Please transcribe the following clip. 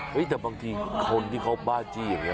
แต่บางทีคนที่เขาบ้าจี้อย่างนี้